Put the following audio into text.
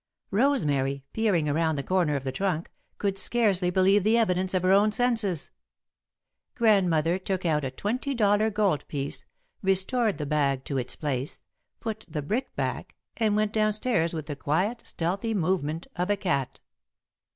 Rosemary, peering around the corner of the trunk, could scarcely believe the evidence of her own senses. Grandmother took out a twenty dollar gold piece, restored the bag to its place, put the brick back, and went down stairs with the quiet, stealthy movement of a cat.